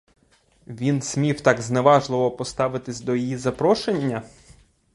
Він смів так зневажливо поставитись до її запрошення?